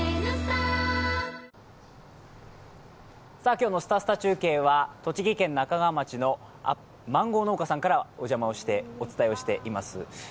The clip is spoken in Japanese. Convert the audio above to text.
今日の「すたすた中継」は栃木県那珂川町のマンゴー農家さんにお邪魔してお伝えしています。